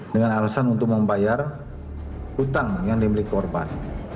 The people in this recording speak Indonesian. dengan alasan untuk membayar hutang yang dimiliki korban